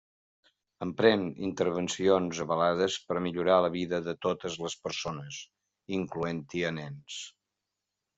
Emprèn intervencions avalades per a millorar la vida de totes les persones, incloent-hi a nens.